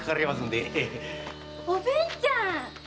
おぶんちゃん！